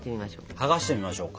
剥がしてみましょうか。